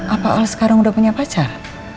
apa orang sekarang udah punya pacar